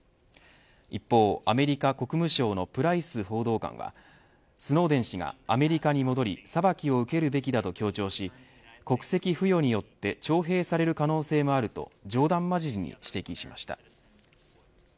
一方、アメリカ国務省のプライス報道官はスノーデン氏がアメリカに戻り裁きを受けるべきだと強調し国籍付与によって徴兵される可能性もあると冗談まじりに指摘しました。